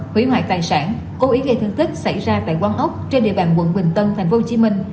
hủy hoại tài sản cố ý gây thương tích xảy ra tại quang ốc trên địa bàn quận bình tân tp hcm